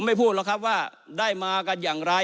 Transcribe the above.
ไม่พูดหรอกครับว่าได้มากันอย่างไร